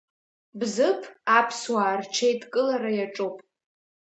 Бзыԥ аԥсуаа рҽеидкылара иаҿуп.